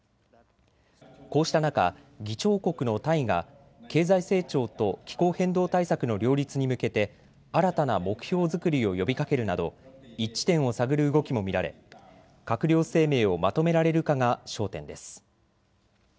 こうした中、議長国のタイが経済成長と気候変動対策の両立に向けて新たな目標作りを呼びかけるなど一致点を探る動きも見られ、閣僚声明をまとめられるかが焦点です。